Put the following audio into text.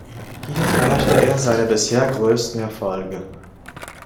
Hier feierte er seine bisher größten Erfolge.